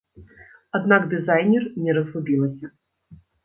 Аднак дызайнер не разгубілася.